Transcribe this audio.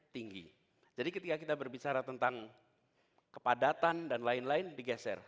tinggi jadi ketika kita berbicara tentang kepadatan dan lain lain digeser